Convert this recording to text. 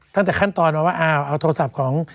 ตั้งแต่ขั้นตอนมาว่าอ้าวเอาโทรศัพท์ของ